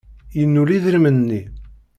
Yennul idrimen-nni.